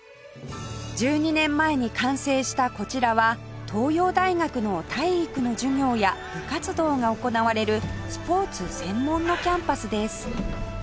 １２年前に完成したこちらは東洋大学の体育の授業や部活動が行われるスポーツ専門のキャンパスです